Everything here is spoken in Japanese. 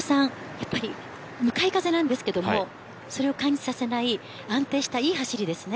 やっぱり向かい風ですがそれを感じさせない安定したいい走りです。